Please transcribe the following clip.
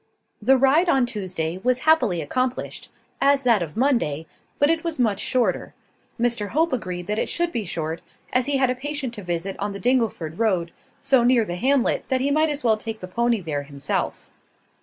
The ride on Tuesday was happily accomplished, as that of Monday: but it was much shorter. Mr Hope agreed that it should be short, as he had a patient to visit on the Dingleford road, so near the hamlet that he might as well take the pony there himself.